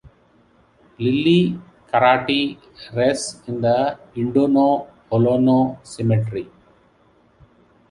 Lilli Carati rests in the Induno Olona cemetery.